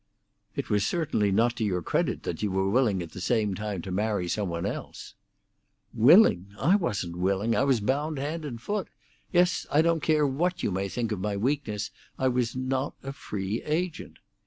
"It was certainly not to your credit that you were willing at the same time to marry some one else." "Willing! I wasn't willing! I was bound hand and foot! Yes—I don't care what you think of my weakness—I was not a free agent.